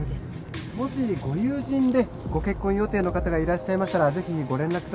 もしご友人でご結婚予定の方がいらっしゃいましたらぜひご連絡ください。